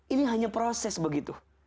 ini hanya proses begitu